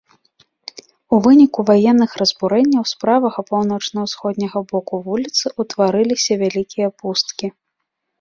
У выніку ваенных разбурэнняў з правага паўночна-ўсходняга боку вуліцы ўтварыліся вялікія пусткі.